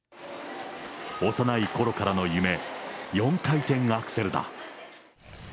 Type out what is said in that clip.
幼いころからの夢、４回転アクセルだ。